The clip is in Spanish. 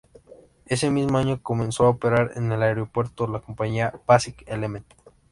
Ese mismo año comenzó a operar en el aeropuerto la compañía Basic Element.